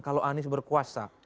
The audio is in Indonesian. kalau anies berkuasa